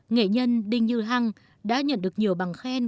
nghệ nhân đinh như hăng đã nhận được nhiều bằng khen